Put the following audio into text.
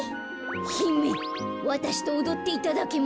ひめわたしとおどっていただけませんか？